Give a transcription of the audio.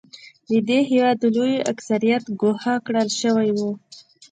د دې هېواد لوی اکثریت ګوښه کړل شوی و.